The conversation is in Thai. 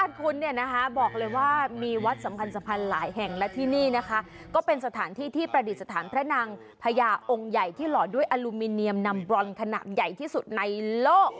คุณเนี่ยนะคะบอกเลยว่ามีวัดสำคัญหลายแห่งและที่นี่นะคะก็เป็นสถานที่ที่ประดิษฐานพระนางพญาองค์ใหญ่ที่หล่อด้วยอลูมิเนียมนำบรอนขนาดใหญ่ที่สุดในโลก